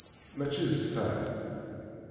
Mačči d sser.